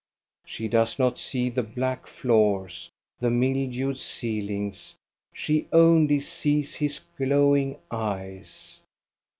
She does not see the black floors, the mildewed ceihngs, she only sees his glowing eyes.